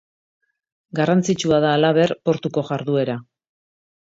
Garrantzitsua da, halaber, portuko jarduera.